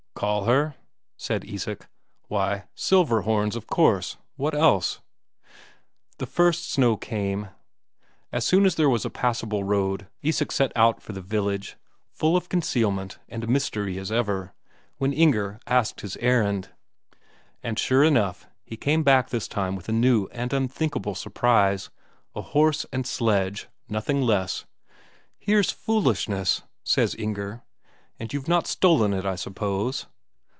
"Call her?" said Isak. "Why, Silverhorns, of course; what else?" The first snow came. As soon as there was a passable road, Isak set out for the village, full of concealment and mystery as ever, when Inger asked his errand. And sure enough, he came back this time with a new and unthinkable surprise. A horse and sledge, nothing less. "Here's foolishness," says Inger. "And you've not stolen it, I suppose?"